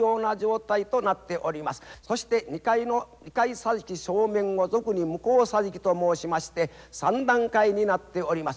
そして２階桟敷正面を俗に向う桟敷と申しまして３段階になっております。